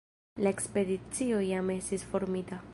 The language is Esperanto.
La ekspedicio jam estis formita.